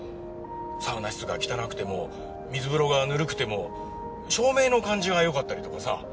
サウナ室が汚くても水風呂がぬるくても照明の感じがよかったりとかさ。